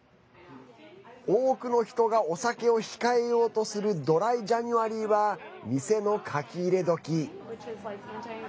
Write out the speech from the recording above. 多くの人がお酒を控えようとするドライ・ジャニュアリーは店のかき入れ時。